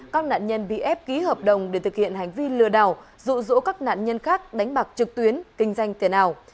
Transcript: các nạn nhân bị ép ký hợp đồng để thực hiện hành vi lừa đảo rụ rỗ các nạn nhân khác đánh bạc trực tuyến kinh doanh tiền ảo